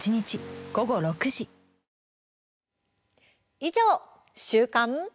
以上、週刊。